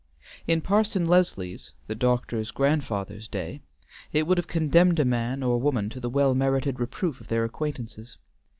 In Parson Leslie's the doctor's grandfather's day, it would have condemned a man or woman to the well merited reproof of their acquaintances.